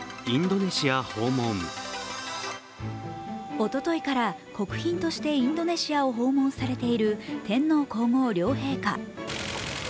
おとといから国賓としてインドネシアを訪問されている天皇皇后両陛下。